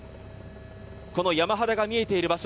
この山肌が見えている場所